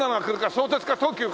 相鉄か東急か。